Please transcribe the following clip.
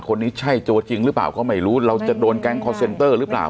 คนนี้ใช่โจจริงหรือเปล่าก็ไม่รู้เราจะโดนแก๊งคอร์เซ็นเตอร์หรือเปล่า